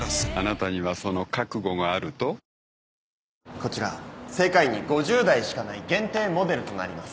こちら世界に５０台しかない限定モデルとなります。